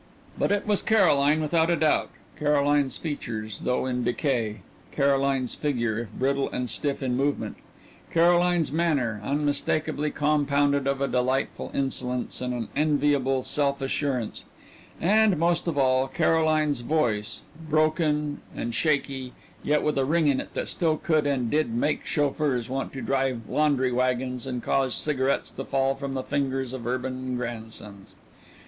But it was Caroline without a doubt: Caroline's features though in decay; Caroline's figure, if brittle and stiff in movement; Caroline's manner, unmistakably compounded of a delightful insolence and an enviable self assurance; and, most of all, Caroline's voice, broken and shaky, yet with a ring in it that still could and did make chauffeurs want to drive laundry wagons and cause cigarettes to fall from the fingers of urban grandsons.